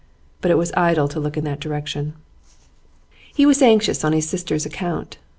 But it was idle to look in that direction. He was anxious on his sisters' account.